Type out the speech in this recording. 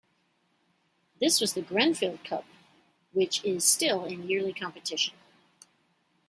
This was the Grenfell Cup which is still in yearly competition.